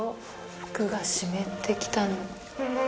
服が湿ってきたの。